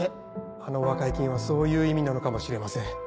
あの和解金はそういう意味なのかもしれません。